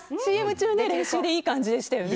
ＣＭ中練習でいい感じでしたよね。